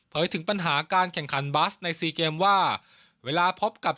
ถึงปัญหาการแข่งขันบัสในซีเกมว่าเวลาพบกับ